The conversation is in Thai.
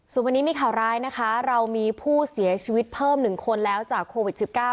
ส่วนวันนี้มีข่าวร้ายนะคะเรามีผู้เสียชีวิตเพิ่ม๑คนแล้วจากโควิด๑๙